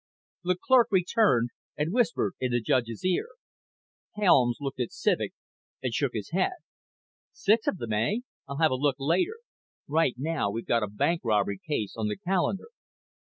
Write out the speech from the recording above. The clerk returned and whispered in the judge's ear. Helms looked at Civek and shook his head. "Six of them, eh? I'll have a look later. Right now we've got a bank robbery case on the calendar."